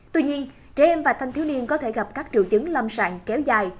tuy nhiên trẻ em và thành thiếu niên có thể gặp các triệu chứng lâm sạn kéo dài